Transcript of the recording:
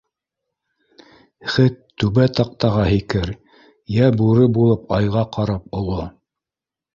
Хет түбә таҡтаға һикер, йә бүре булып айға ҡарап оло.